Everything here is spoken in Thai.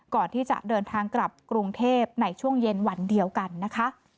ก่อนที่จะเดินทางกลับกรุงเทพในช่วงเย็นวันเดียวกันนะคะ